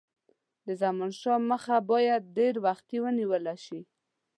د زمانشاه مخه باید ډېر وختي ونیوله شي.